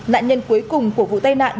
nạn nhân cuối cùng của vụ tai nạn